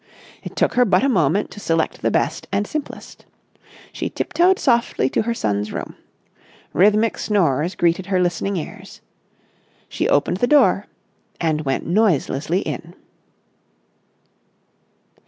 It took her but a moment to select the best and simplest. She tiptoed softly to her son's room. Rhythmic snores greeted her listening ears. She opened the door and went noiselessly in.